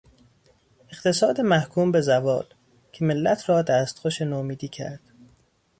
اقتصاد محکوم به زوال، که ملت را دستخوش نومیدی کرد